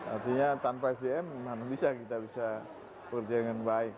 artinya tanpa sdm mana bisa kita bisa bekerja dengan baik